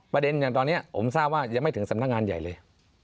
ประเด็นอย่างตอนนี้ผมทราบว่ายังไม่ถึงสำนักงานใหญ่เลย